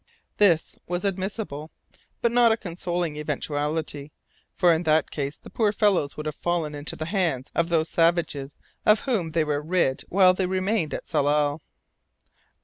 This was admissible, but not a consoling eventuality, for in that case the poor fellows would have fallen into the hands of those savages of whom they were rid while they remained at Tsalal.